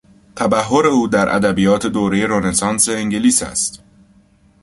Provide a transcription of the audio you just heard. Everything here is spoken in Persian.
تبحر او در ادبیات دورهی رنسانس انگلیس است.